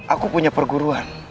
aku punya perguruan